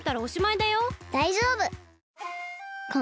だいじょうぶ！